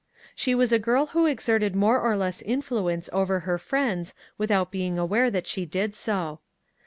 She was a girl who exerted more or less influence over her friends without being aware that she did so.